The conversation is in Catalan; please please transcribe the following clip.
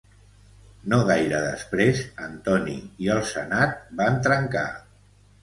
No gaire després Antoni i el senat van trencar.